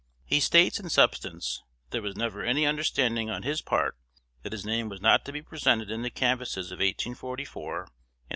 He states, in substance, that there was never any understanding on his part that his name was not to be presented in the canvasses of 1844 and 1846.